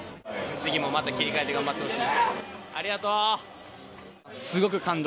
次もまた切り替えて頑張ってほしいです。